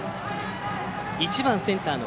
１番センターの